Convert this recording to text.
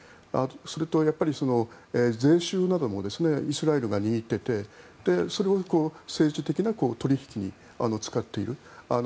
それと、税収などもイスラエルが握っていてそれを政治的な取引に使っている。